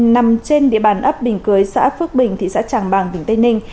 nằm trên địa bàn ấp bình cưới xã phước bình thị xã tràng bàng tỉnh tây ninh